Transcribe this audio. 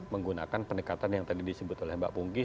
menggunakan pendekatan yang tadi disebut oleh mbak pungki